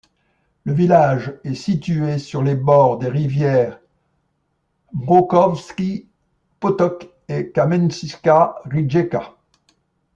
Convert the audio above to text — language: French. Le village est situé sur les bords des rivières Mrkodolski potok et Kamenička rijeka.